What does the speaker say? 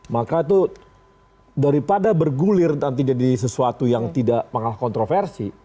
maka itu daripada bergulir nanti jadi sesuatu yang tidak mengalah kontroversi